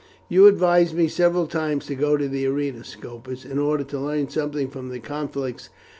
"You advised me several times to go to the arena, Scopus, in order to learn something from the conflicts.